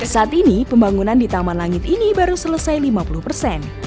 saat ini pembangunan di taman langit ini baru selesai lima puluh persen